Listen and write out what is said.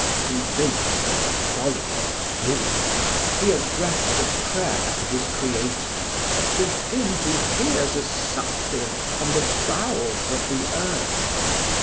Convinced of the folly of hope, he addressed a prayer to his Creator to Him who hears a suppliant from the bowels of the earth.